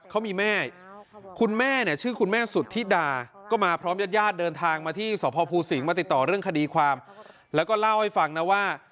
เขามีแม่เขาติดต่อเรื่องคดีแล้วก็เล่าให้ฝังนะว่า